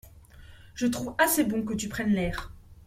Je trouve assez bon que tu prennes l'air.